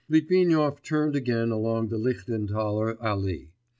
Litvinov turned again along the Lichtenthaler Allee.